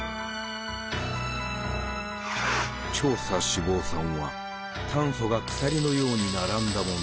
長鎖脂肪酸は炭素が鎖のように並んだもの。